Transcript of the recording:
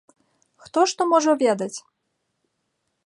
Хто што можа ведаць?!